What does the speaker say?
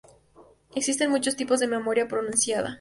Existen muchos tipos de memoria pronunciada.